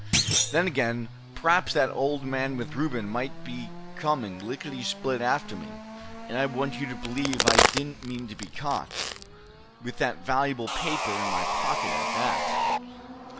Then again, p'raps that man with Old Reuben might be coming, licketty split after me; and I want you to believe I didn't mean to be caught, with that valuable paper in my pocket at that."